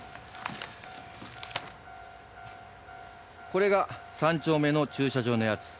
これが３丁目の駐車場のやつ。